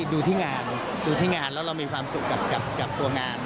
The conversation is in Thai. ดูที่งานดูที่งานแล้วเรามีความสุขกับตัวงาน